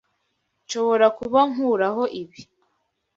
Nshobora kuba nkuraho ibi.